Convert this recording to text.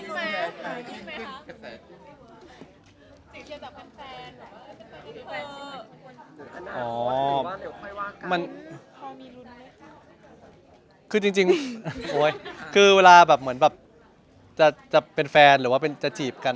คือจริงคือเวลาแบบเหมือนแบบจะเป็นแฟนหรือว่าเป็นจะจีบกัน